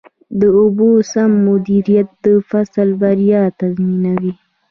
د اوبو سم مدیریت د فصل بریا تضمینوي.